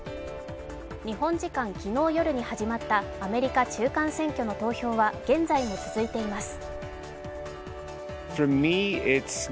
日本時間昨日夜に始まったアメリカ中間選挙の投票は現在も続いています。